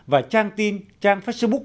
và trang tin trang facebook